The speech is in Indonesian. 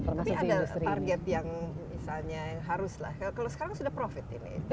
tapi ada target yang misalnya yang haruslah kalau sekarang sudah profit ini